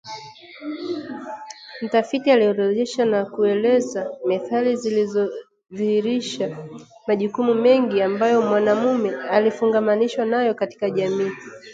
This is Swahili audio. mtafiti aliorodhesha na kueleza methali zilizodhihirisha majukumu mengi ambayo mwanamume alifungamanishwa nayo katika jamii